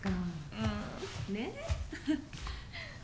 うん。ねえ？